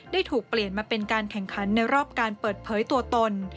ถูกเปลี่ยนมาเป็นการแข่งขันในรอบการเปิดเผยตัวตน